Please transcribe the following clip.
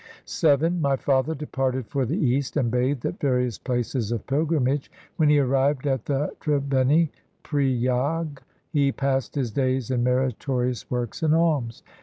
VII My father departed for the East And bathed at various places of pilgrimage. When he arrived at the Tribeni (Priyag), He passed his days in meritorious works and alms.